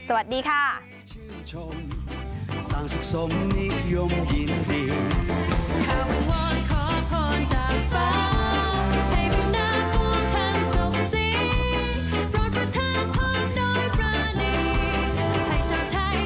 สวัสดีค่ะ